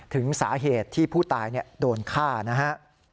ถึงสาเหตุที่ผู้ตายโดนฆ่านะฮะ